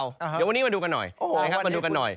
เดี๋ยวยังวันนี้มาดูกันหน่อย